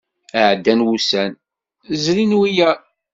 Ɛeddan wussan, zrin wiyaḍ.